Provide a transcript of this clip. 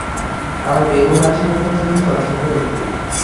আমার বেগম মাতৃগণ পর্যন্ত চঞ্চল হইয়া উঠিলেন।